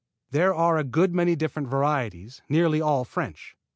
There are a good many different varieties, nearly all French.